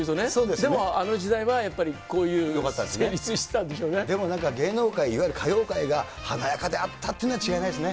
でもあの時代はやっぱり、こういでもなんか、芸能界、いわゆる歌謡界が華やかであったというのは違いないですね。